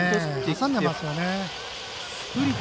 挟んでますよね。